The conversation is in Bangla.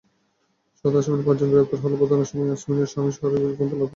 সাত আসামির পাঁচজন গ্রেপ্তার হলেও প্রধান আসামি ইয়াসমিনের স্বামীসহ আরও একজন পলাতক।